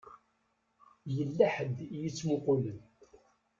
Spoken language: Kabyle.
Yella ḥedd i yettmuqqulen.